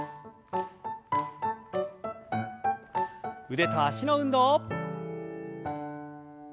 腕と脚の運動。